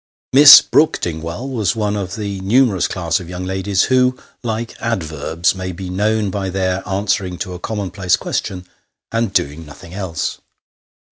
Miss Brook Dingwall was one of that numerous class of young ladies, who, like adverbs, may be known by their answering to a commonplace question, and doing nothing else.